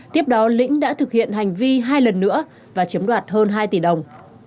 tiếp đó lĩnh đã thực hiện hành vi hai lần nữa và chiếm đoạt hơn hai tỷ đồng